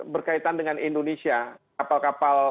berkaitan dengan indonesia kapal kapal